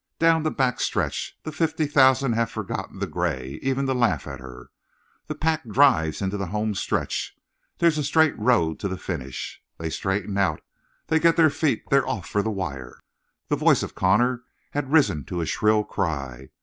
Down the back stretch! The fifty thousand have forgotten the gray, even to laugh at her. The pack drives into the home stretch. There's a straight road to the finish. They straighten out. They get their feet. They're off for the wire!" The voice of Connor had risen to a shrill cry.